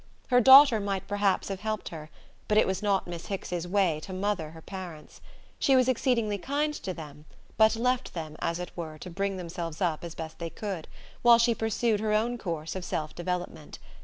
Her daughter might perhaps have helped her; but it was not Miss Hicks's way to mother her parents. She was exceedingly kind to them, but left them, as it were, to bring themselves up as best they could, while she pursued her own course of self development.